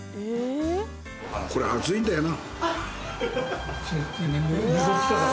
これ熱いんだよな。